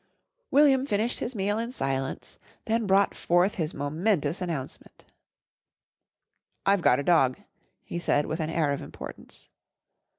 William finished his meal in silence, then brought forth his momentous announcement. "I've gotter dog," he said with an air of importance.